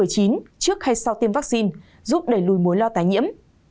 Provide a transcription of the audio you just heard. trước hay sau tiêm vaccine giúp đẩy lùi mối lo tái nhiễm